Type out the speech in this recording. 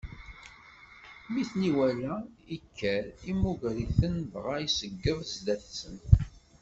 Mi ten-iwala, ikker, immuger-iten, dɣa iseǧǧed zdat-sen.